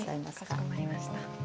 かしこまりました。